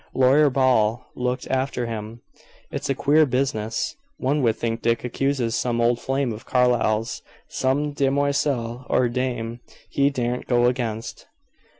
Lawyer Ball looked after him. "It's a queer business. One would think Dick accuses some old flame of Carlyle's some demoiselle or dame he daren't go against."